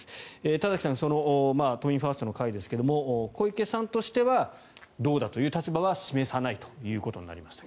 田崎さん都民ファーストの会ですけど小池さんとしてはどうだという立場は示さないということになりました。